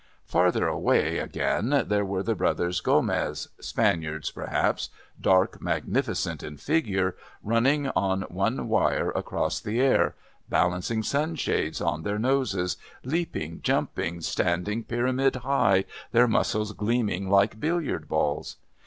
Farther away again there were the Brothers Gomez, Spaniards perhaps, dark, magnificent in figure, running on one wire across the air, balancing sunshades on their noses, leaping, jumping, standing pyramid high, their muscles gleaming like billiard balls.